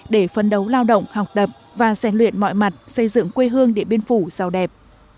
để phân đấu lao động học tập và xe luyện mọi mặt xây dựng quê hương để biên phủ sao đẹp